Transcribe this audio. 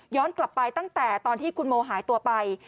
กลับไปตั้งแต่ตอนที่คุณโมหายตัวไป